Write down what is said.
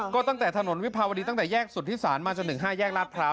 ก็ตั้งแต่ถนนวิภาวดีตั้งแต่แยกสุธิศาลมาจนถึง๕แยกลาดพร้าว